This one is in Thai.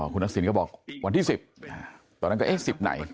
คุณทักษิณก็บอกวันที่๑๐ตอนนั้นก็เอ๊ะ๑๐ไหน